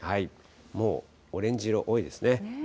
もうオレンジ色、多いですね。